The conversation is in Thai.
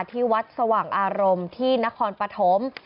ที่วัดสว่างอารมณ์ที่นครปฐม